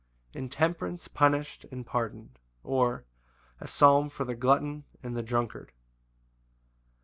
Intemperance punished and pardoned; or, A psalm for the glutton and the drunkard.